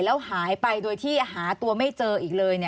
แล้วหายไปโดยที่หาตัวไม่เจออีกเลย